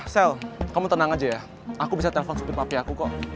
sel kamu tenang aja ya aku bisa telepon seperti api aku kok